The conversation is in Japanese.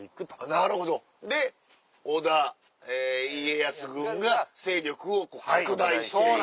なるほどで織田・家康軍が勢力を拡大して行く。